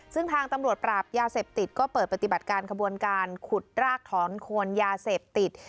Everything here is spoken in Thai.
ซึ่งทางตำรวจปราบยาเสพติดก็เปิดปฏิบัติการขบวนการขุดรากถอนโคนยาเสพติด